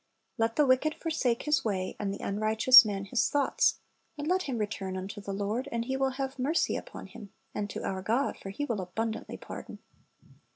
"* "Let the wicked forsake his way, and the unrighteous man his thoughts; and let him return unto the Lord, and He will have mercy upon him; and to our God, for He will abundantly pardon."